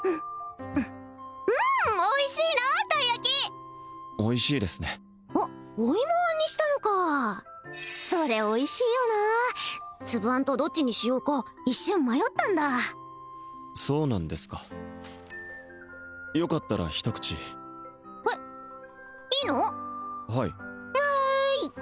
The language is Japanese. おいしいなたい焼きおいしいですねあっお芋あんにしたのかそれおいしいよな粒あんとどっちにしようか一瞬迷ったんだそうなんですかよかったら一口えっいいの？はいわい！